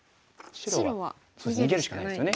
白は逃げるしかないですね。